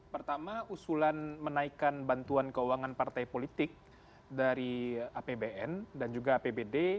pertama usulan menaikkan bantuan keuangan partai politik dari apbn dan juga apbd